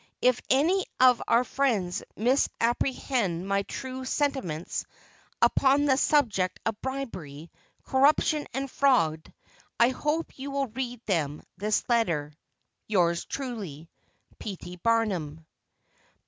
If any of our friends misapprehend my true sentiments upon the subject of bribery, corruption and fraud, I hope you will read them this letter. Truly yours, P. T. BARNUM.